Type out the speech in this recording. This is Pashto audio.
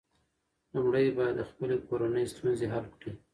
لومړی باید د خپلې کورنۍ ستونزې حل کړې.